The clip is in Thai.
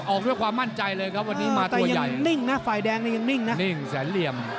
ออกด้วยความมั่นใจเลยครับวันนี้มาตัวใหญ่